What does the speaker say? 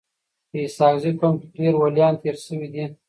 په اسحق زي قوم کي ډير وليان تیر سوي دي.